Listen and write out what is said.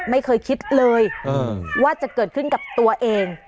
ไม่เคยคิดเลยว่าจะเกิดขึ้นกับตัวเอง